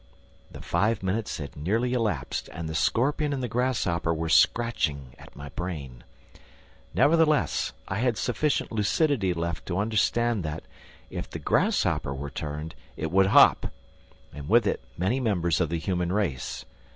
'" The five minutes had nearly elapsed and the scorpion and the grasshopper were scratching at my brain. Nevertheless, I had sufficient lucidity left to understand that, if the grasshopper were turned, it would hop ... and with it many members of the human race!